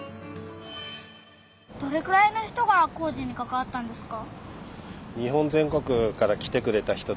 どれくらいの人が工事にかかわったんですか？